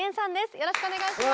よろしくお願いします。